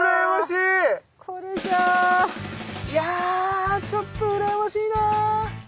いやちょっとうらやましいな！